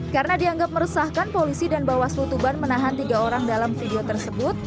karena dianggap meresahkan polisi dan bawa selu tuban menahan tiga orang dalam video tersebut